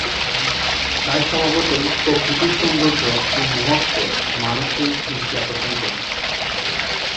তাই স্বভাবতই প্রকৃতির সৌন্দর্য ও মহত্ত্ব মানুষের দৃষ্টি আকর্ষণ করে।